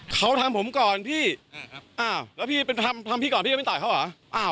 เขาทำผมก่อนพี่เอ้าแล้วทำพี่ต่อเขาเหรอ